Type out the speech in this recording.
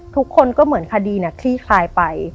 ทุกคนก็เหมือนคดีคลี่คลายไป